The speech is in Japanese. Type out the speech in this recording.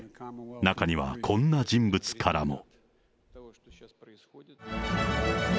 中には、こんな人物からも。